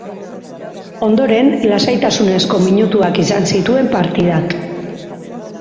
Ondoren, lasaitasunezko minutuak izan zituen partidak.